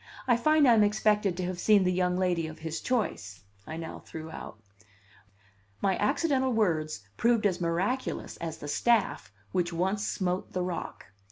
I find I'm expected to have seen the young lady of his choice," I now threw out. My accidental words proved as miraculous as the staff which once smote the rock.